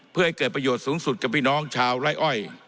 เพื่อให้เกิดประโยชน์สูงสุดกับพี่น้องชาวไล่อ้อย